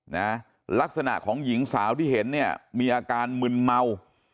นะลักษณะของหญิงสาวที่เห็นเนี่ยมีอาการมึนเมา